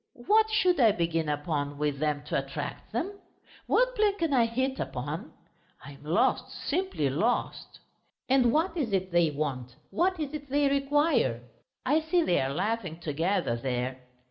What should I begin upon with them to attract them? What plan can I hit upon? I am lost, simply lost.... And what is it they want, what is it they require?... I see they are laughing together there.